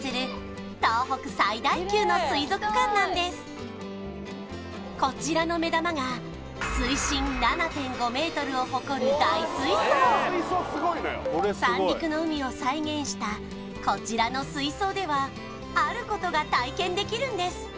やってきたのはこちらの目玉が水深７．５ｍを誇る大水槽三陸の海を再現したこちらの水槽ではあることが体験できるんです！